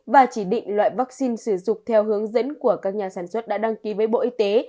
và chỉ định loại vaccine sử dụng theo hướng dẫn của các nhà sản xuất đã đăng ký với bộ y tế